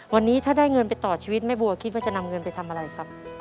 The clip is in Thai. วันนี้ถ้าได้เงินไปต่อชีวิตแม่บัวคิดว่าจะนำเงินไปทำอะไรครับ